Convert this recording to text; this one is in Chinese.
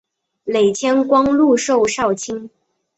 累迁光禄寺少卿。